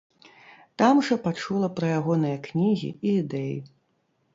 Там жа пачула пра ягоныя кнігі і ідэі.